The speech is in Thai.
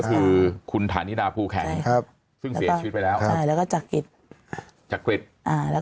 คือคุณฐานิดาภูแข็งครับซึ่งเสียชีวิตไปแล้วใช่แล้วก็จักริตจักริตอ่าแล้ว